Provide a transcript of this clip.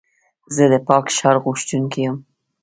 زه د پاک ښار غوښتونکی یم.